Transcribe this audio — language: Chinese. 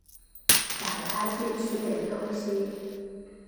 找她去吃点东西